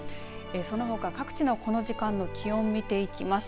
そのほか各地のこの時間の気温を見ていきます。